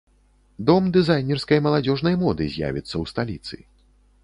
Дом дызайнерскай маладзёжнай моды з'явіцца ў сталіцы.